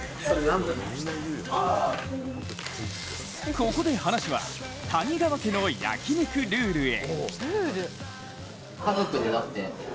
ここで話は谷川家の焼き肉ルールへ。